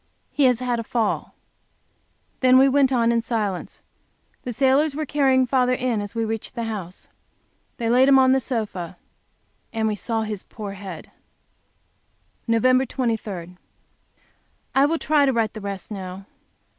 He has had a fall." Then we went on in silence. The sailors were carrying father in as we reached the house. They laid him on the sofa, we saw his poor head... Nov. 23. I will try to write the rest now.